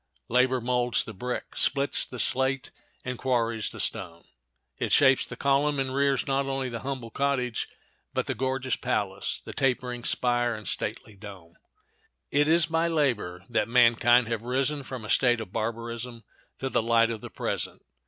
Labor molds the brick, splits the slate, and quarries the stone. It shapes the column and rears not only the humble cottage but the gorgeous palace, the tapering spire and stately dome. It is by labor that mankind have risen from a state of barbarism to the light of the present.